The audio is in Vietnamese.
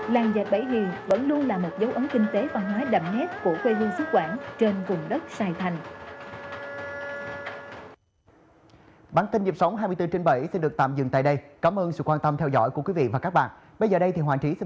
làng dạch bảy hì vẫn luôn là một dấu ấn kinh tế văn hóa đậm nét